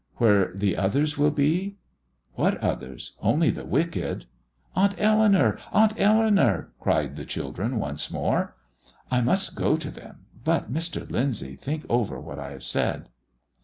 "Where the others will be?" "What others? Only the wicked!" "Aunt Eleanour! Aunt Eleanour!" called the children once more. "I must go to them! But, Mr. Lyndsay, think over what I have said."